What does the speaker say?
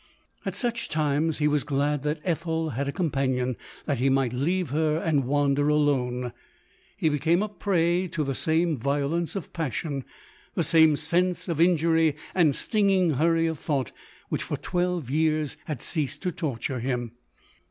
At such times he was glad that Ethel had a companion, that he might leave her and wander alone. He became a prey to the same violence of passion, the same sense of in jury and stinging hurry of thought, which for twelve years had ceased to torture him.